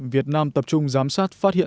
việt nam tập trung giám sát phát triển